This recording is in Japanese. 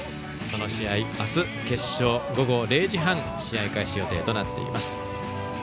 その試合、あす決勝午後０時半試合開始予定となっています。